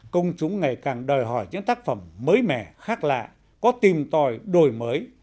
công chúng ngày càng đòi hỏi những tác phẩm mới mẻ khác lạ có tìm tòi đổi mới